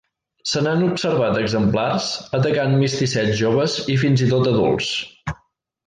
Se n'han observat exemplars atacant misticets joves i fins i tot adults.